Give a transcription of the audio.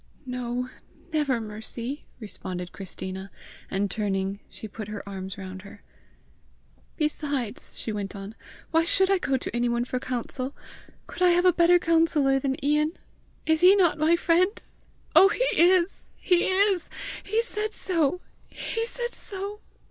"No, never, Mercy!" responded Christina, and turning she put her arms round her. "Besides," she went on, "why should I go to anyone for counsel? Could I have a better counsellor than Ian? Is he not my friend? Oh, he is! he is! he said so! he said so!"